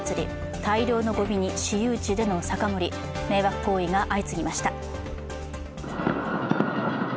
大量のごみに私有地での酒盛り迷惑行為が相次ぎました。